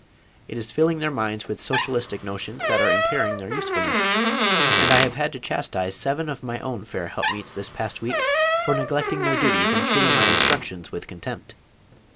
It is filling their minds with socialistic notions that are impairing their usefulness, and I have had to chastise seven of my own fair helpmeets this past week for neglecting their duties and treating my instructions with contempt.